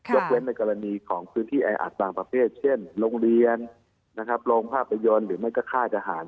กเว้นในกรณีของพื้นที่แออัดบางประเภทเช่นโรงเรียนนะครับโรงภาพยนตร์หรือไม่ก็ค่ายทหาร